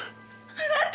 あなた！